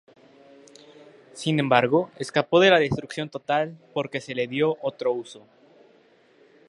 Sin embargo, escapó de la destrucción total porque se le dio otro uso.